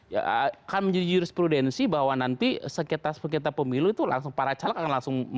ya akan menjadi jurisprudensi bahwa nanti sengketa sengketa pemilu itu langsung para caleg akan langsung